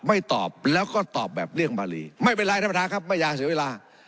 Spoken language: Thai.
ไม่เป็นไรท่านประธานครับไม่อยากเสียเวลา